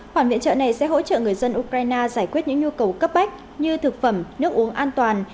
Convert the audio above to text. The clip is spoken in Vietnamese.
khoản viện trợ này sẽ hỗ trợ người dân ukraine giải quyết những nhu cầu cấp bách như thực phẩm nước uống an toàn